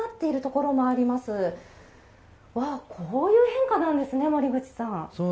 こういう変化なんですね森口さん。